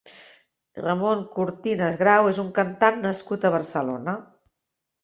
Ramon Cortinas Grau és un cantant nascut a Barcelona.